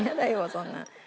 そんな。